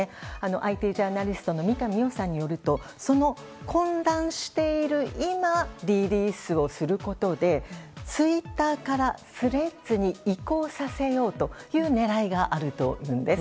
ＩＴジャーナリストの三上洋さんによるとその混乱している今リリースをすることでツイッターからＴｈｒｅａｄｓに移行させようという狙いがあるというんです。